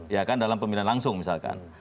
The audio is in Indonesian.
ya kan dalam pemilihan langsung misalkan